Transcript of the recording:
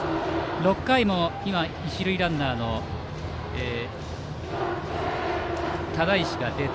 ６回も今、一塁ランナーの只石が出て